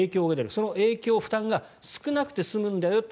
その影響・負担が少なくて済むんだよと。